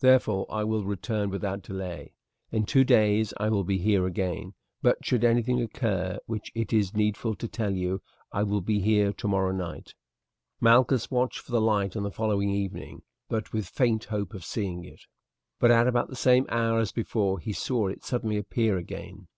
Therefore I will return without delay. In two days I will be here again; but should anything occur which it is needful to tell you I will be here tomorrow night." Malchus watched for the light on the following evening with but faint hope of seeing it, but at about the same hour as before he saw it suddenly appear again.